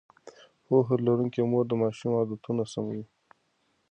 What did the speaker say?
پوهه لرونکې مور د ماشوم عادتونه سموي.